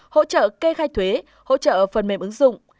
hỗ trợ kê khai thuế hỗ trợ phần mềm ứng dụng